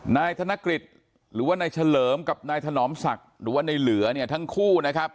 นายกฤษหรือว่านายเฉลิมกับนายถนอมศักดิ์หรือว่าในเหลือเนี่ยทั้งคู่นะครับ